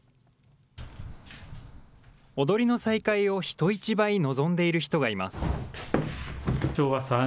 踊りの再開を人一倍望んでいる人がいます。